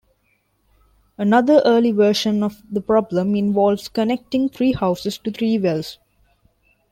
Another early version of the problem involves connecting three houses to three wells.